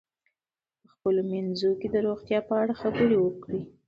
په خپلو منځونو کې د روغتیا په اړه خبرې وکړئ.